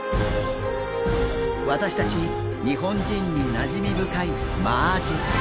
私たち日本人になじみ深いマアジ。